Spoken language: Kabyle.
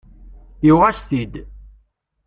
Yuɣ-as-t-id.